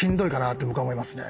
て僕は思いますね。